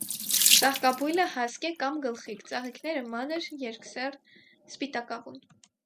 Ծաղկաբույլը հասկ է կամ գլխիկ, ծաղիկները՝ մանր, երկսեռ, սպիտակավուն։